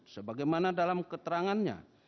sebagaimana dalam keterangannya